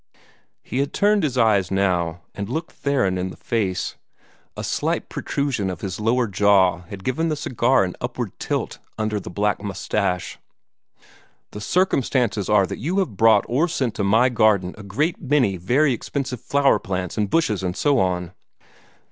He had turned his eyes now, and looked Theron in the face. A slight protrusion of his lower jaw had given the cigar an upward tilt under the black mustache. "The circumstances are that you have brought or sent to my garden a great many very expensive flower plants and bushes and so on."